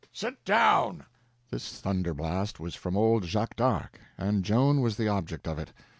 "Sit down!" This thunder blast was from old Jacques d'Arc, and Joan was the object of it.